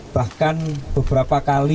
bahkan beberapa kata